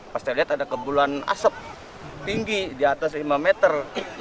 pas saya lihat ada kebuluan asap tinggi di atas lima meter